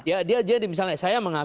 ya dia jadi misalnya saya mengatakan